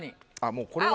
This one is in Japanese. もうこれは。